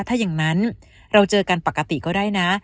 ถ้าอย่างนั้นเราเจอกันปกติก็ได้นะ